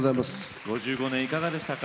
５５年いかがでしたか。